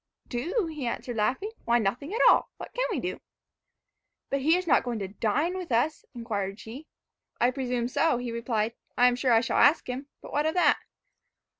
"Do?" he answered, laughing. "Why, nothing at all. What can we do?" "But is he not going to dine with us?" enquired she. "I presume so," he replied. "I am sure I shall ask him; but what of that?"